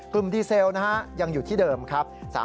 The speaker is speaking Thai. ดีเซลยังอยู่ที่เดิมครับ